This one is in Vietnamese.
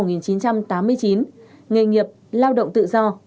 nghề nghiệp lao động tự do